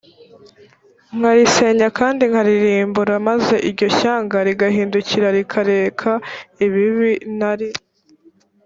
nkarisenya kandi nkaririmbura maze iryo shyanga rigahindukira rikareka ibibi nari